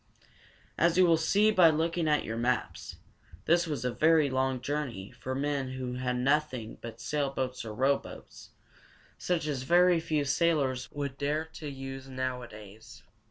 As you will see by looking at your maps, this was a very long journey for men who had nothing but sailboats or rowboats, such as very few sailors would dare to use nowadays.